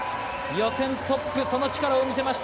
予選トップ、その力を見せました。